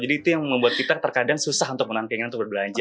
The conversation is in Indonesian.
jadi itu yang membuat kita terkadang susah untuk menampilkan untuk berbelanja